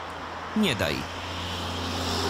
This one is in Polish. Nie daj.